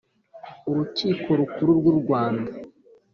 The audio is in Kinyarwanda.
Urukiko Rukuru rw’ u Rwanda